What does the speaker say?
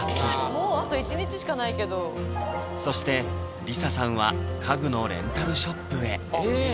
もうあと１日しかないけどそして理沙さんは家具のレンタルショップへえっ！